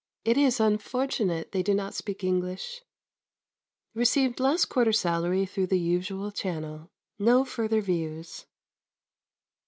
It is unfortunate they do not speak English. Received last quarter's salary through the usual channel. No further views.